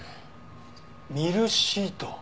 ミルシート。